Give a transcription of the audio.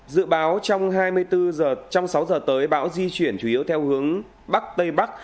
dự báo trong hai mươi bốn giờ trong sáu giờ tới bão di chuyển chủ yếu theo hướng bắc tây bắc